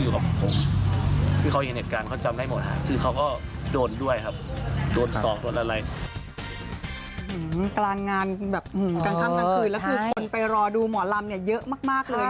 กลางคำกลางคืนแล้วคือคนไปรอดูหมอลำเนี่ยเยอะมากเลย